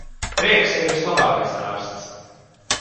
Prieks ir vislabākais ārsts.